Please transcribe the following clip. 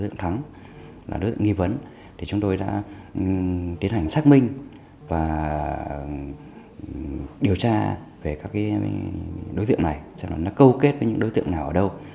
nhận định chính xác về các đối tượng này cho nên nó câu kết với những đối tượng nào ở đâu